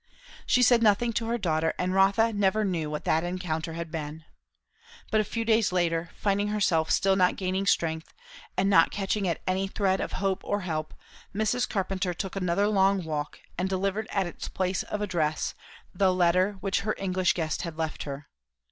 She said nothing to her daughter, and Rotha never knew what that encounter had been. But a few days later, finding herself still not gaining strength, and catching at any thread of hope or help, Mrs. Carpenter took another long walk and delivered at its place of address the letter which her English guest had left her.